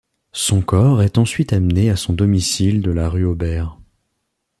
Son corps est ensuite amené à son domicile de la rue Auber.